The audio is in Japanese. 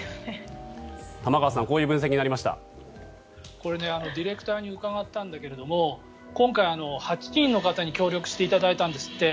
これ、ディレクターに伺ったんだけど今回、８人の方に協力していただいたんですって。